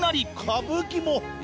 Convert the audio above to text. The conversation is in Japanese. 「歌舞伎も！